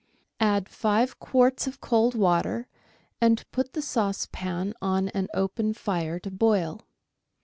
Add five quarts of cold water, and put the saucepan on an open fire to boil.